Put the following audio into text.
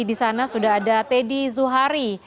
disana sudah ada teddy zuhari